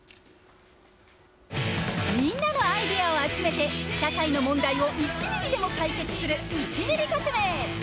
みんなのアイデアを集めて、社会の問題を１ミリでも改革する１ミリ革命。